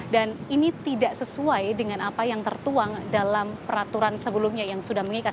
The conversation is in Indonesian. dan ini tidak sesuai dengan apa yang tertuang dalam peraturan sebelumnya yang sudah mengikat